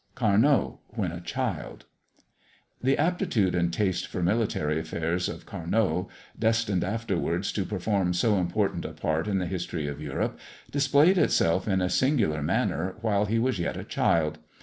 _ CARNÔT, WHEN A CHILD. The aptitude and taste for military affairs of Carnôt, destined afterwards to perform so important a part in the history of Europe, displayed itself in a singular manner while he was yet a child.